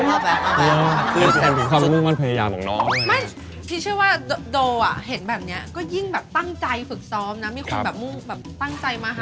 มันเป็นความมั่นมั่นพยายามของน้อง